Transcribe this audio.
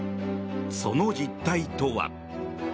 その実態とは。